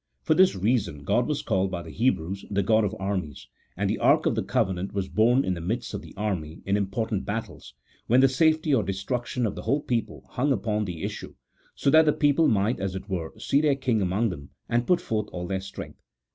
For this reason God was called by the Hebrews the God of Armies ; and the ark of the covenant was borne in the midst of the army in important battles, when the safety or destruction of the whole people hung upon the issue, so that the people might, as it were, see their King among them, and put forth all their strength.